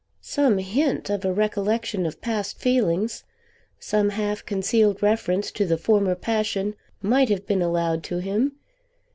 Some hint of a recollection of past feelings, some half concealed reference to the former passion might have been allowed to him!